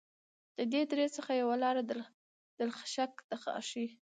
د دې درې څخه یوه لاره دلخشک دغاښي